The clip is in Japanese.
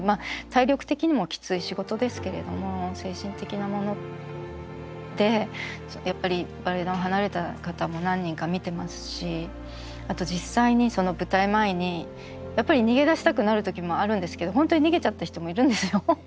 体力的にもきつい仕事ですけれども精神的なものでやっぱりバレエ団を離れた方も何人か見てますしあと実際に舞台前にやっぱり逃げ出したくなる時もあるんですけど本当に逃げちゃった人もいるんですよ。